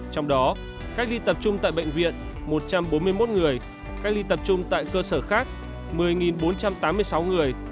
trong đó cách ly tập trung tại bệnh viện một trăm bốn mươi một người cách ly tập trung tại cơ sở khác một mươi bốn trăm tám mươi sáu người